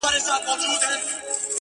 د پخلي لوګی د کور د شتون نښه وي!